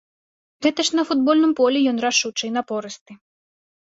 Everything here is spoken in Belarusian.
Гэта ж на футбольным полі ён рашучы і напорысты.